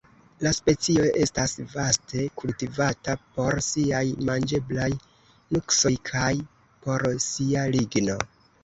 La specio estas vaste kultivata por siaj manĝeblaj nuksoj kaj por sia ligno.